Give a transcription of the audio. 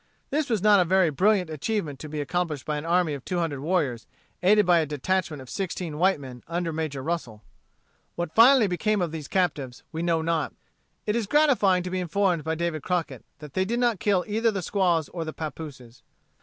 This was not a very brilliant achievement to be accomplished by an army of two hundred warriors aided by a detachment of sixteen white men under Major Russel. What finally became of these captives we know not. It is gratifying to be informed by David Crockett that they did not kill either the squaws or the pappooses.